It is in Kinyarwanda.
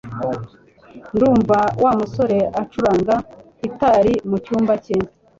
Ndumva Wa musore acuranga gitari mucyumba cye